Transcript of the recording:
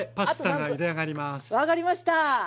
分かりました。